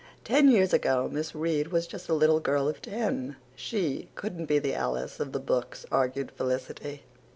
Ten years ago Miss Reade was just a little girl of ten. SHE couldn't be the Alice of the books," argued Felicity.